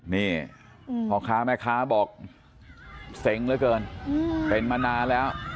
นี่พ่อค้าแม่ค้าบอกเซ็งเหลือเกินเป็นมานานแล้ว